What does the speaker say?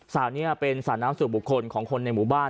นี้เป็นสระน้ำส่วนบุคคลของคนในหมู่บ้าน